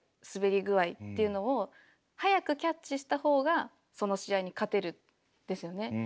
滑り具合っていうのを早くキャッチした方がその試合に勝てるんですよね。